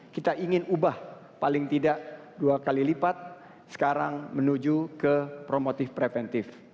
kita ingin ubah paling tidak dua kali lipat sekarang menuju ke promotif preventif